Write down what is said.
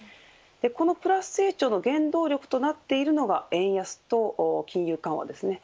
このプラス成長の原動力となっているのが円安と金融緩和ですね。